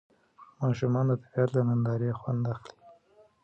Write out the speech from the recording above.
ماشومان د طبیعت له نندارې خوند اخلي